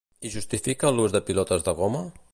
I justifica l'ús de pilotes de goma?